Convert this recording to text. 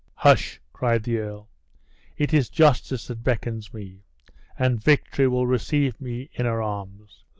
"Hush!" cried the earl, "it is justice that beckons me, and victory will receive me to her arms.